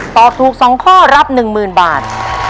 ตอบถูก๒ข้อรับ๑๐๐๐บาท